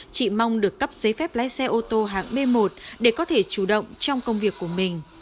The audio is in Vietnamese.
chị mong được cấp giấy phép lái xe ô tô hạng b một để có thể chủ động trong công việc của mình